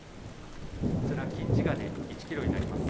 こちら、金地金１キロになります。